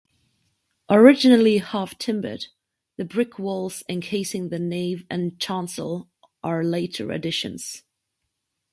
Originally half-timbered, the brick walls encasing the nave and chancel are later additions.